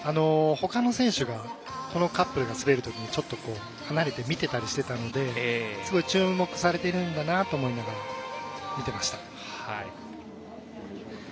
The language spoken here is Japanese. ほかの選手がこのカップルが滑るときにちょっと、離れて見てたりしていたのですごい注目されているんだなという目で見てました。